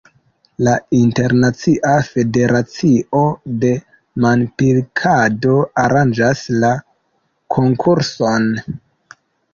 La Internacia Federacio de Manpilkado aranĝas la konkurson.